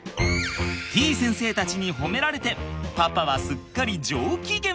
てぃ先生たちに褒められてパパはすっかり上機嫌！